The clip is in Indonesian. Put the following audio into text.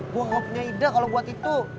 gue ngopinya ida kalau buat itu